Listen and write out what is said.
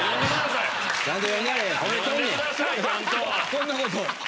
そんなことを。